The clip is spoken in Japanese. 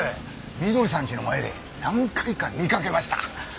翠さんちの前で何回か見かけました。